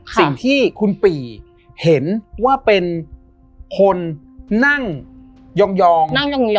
สิ่งที่คุณปีเห็นว่าเป็นคนนั่งยอง